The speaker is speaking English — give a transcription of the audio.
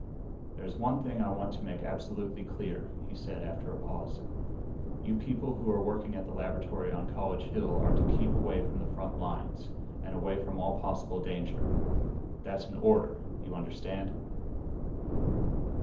"There's one thing I want to make absolutely clear," he said after a pause. "You people who are working at the laboratory on College Hill are to keep away from the front lines and away from all possible danger. That's an order, you understand?"